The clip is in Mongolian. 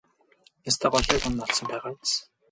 Ёстой голыг нь олсон байгаа биз?